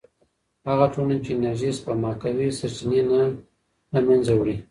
هغه ټولنه چې انرژي سپما کوي، سرچینې نه له منځه وړي.